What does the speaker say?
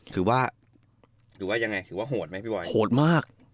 ถือว่าถือว่ายังไงถือว่าโหดไหมพี่บอยโหดมาก